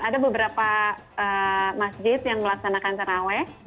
ada beberapa masjid yang melaksanakan cara awet